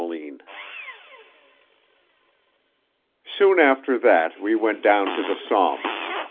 VIII Soon after that we went down to the Somme.